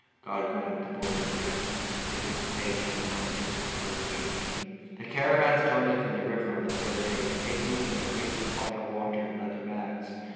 "God grant," the boy acquiesced, thinking of the dangers and hardships of the further journey. The caravan started from the river on the third day, taking with them a great supply of water in leather bags.